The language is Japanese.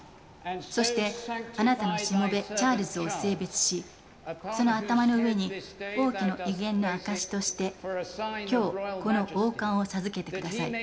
そしてあなたのしもべチャールズをその頭の上に王位の威厳の証しとして今日、この王冠を授けてください。